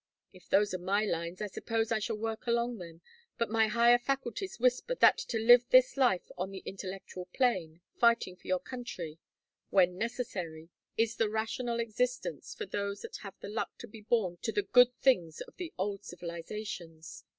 If those are my lines I suppose I shall work along them, but my higher faculties whisper that to live this life on the intellectual plane, fighting for your country when necessary, is the rational existence for those that have the luck to be born to the good things of the old civilizations.